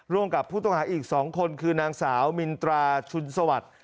ร่วมกับผู้ต้องหาอีก๒คนคือนางสาวมินตราชุนสวัสดิ์